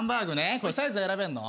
これサイズ選べんの？